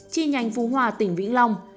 chi nhánh phú hòa tỉnh vĩnh long